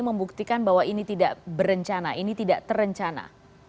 membuktikan bahwa ini tidak berencana ini tidak terencana